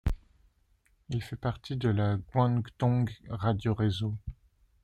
Il fait partie de la Guangdong Radio réseau.